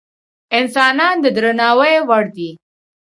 انسانان د درناوي وړ دي.